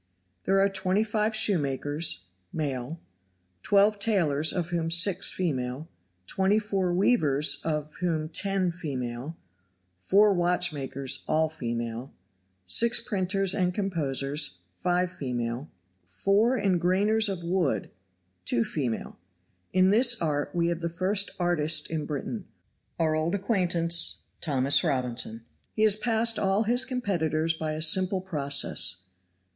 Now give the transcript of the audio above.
There are 25 shoemakers (male); 12 tailors, of whom 6 female; 24 weavers, of whom 10 female; 4 watchmakers, all female; 6 printers and composers, 5 female; 4 engrainers of wood, 2 female. (In this art we have the first artist in Britain, our old acquaintance, Thomas Robinson. He has passed all his competitors by a simple process.